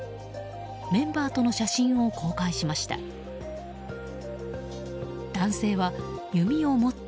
メンバーとの写真を公開しました。